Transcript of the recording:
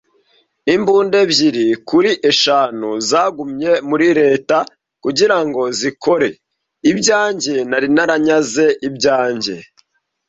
imbunda ebyiri kuri eshanu zagumye muri leta kugirango zikore. Ibyanjye nari naranyaze ibyanjye